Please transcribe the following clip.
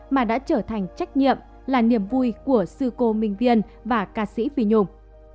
mà đã trở thành trách nhiệm là niềm vui của sư cô minh viên và ca sĩ phi nhung